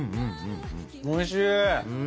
おいしい。